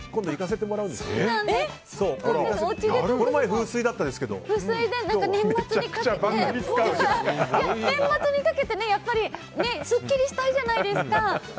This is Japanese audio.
風水で、年末にかけてやっぱりすっきりしたいじゃないですか。